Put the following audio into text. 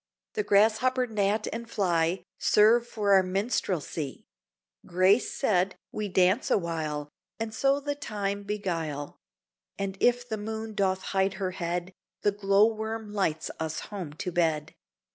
The grasshopper, gnat, and fly Serve for our minstrelsy; Grace said, we dance awhile, And so the time beguile: And if the moon doth hide her head, The glow worm lights us home to bed.